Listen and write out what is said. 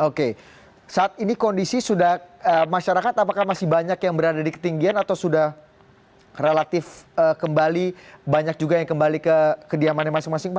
oke saat ini kondisi sudah masyarakat apakah masih banyak yang berada di ketinggian atau sudah relatif kembali banyak juga yang kembali ke kediamannya masing masing pak